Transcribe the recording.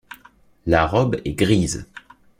La robe est grise.